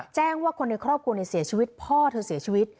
แจ้งว่าคนในครอบครัวเสียชีวิตพ่อเธอเสียชีวิต